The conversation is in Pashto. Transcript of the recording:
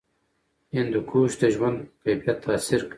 هندوکش د ژوند په کیفیت تاثیر کوي.